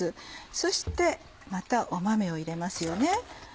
そしてまた豆を入れますよね。